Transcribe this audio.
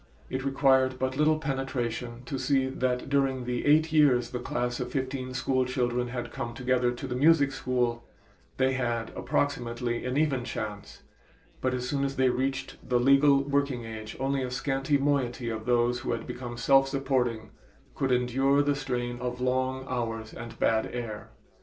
It required but little penetration to see that during the eight years the class of fifteen school children had come together to the music school, they had approximately an even chance, but as soon as they reached the legal working age only a scanty moiety of those who became self supporting could endure the strain of long hours and bad air.